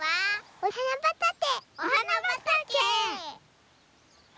おはなばたけ！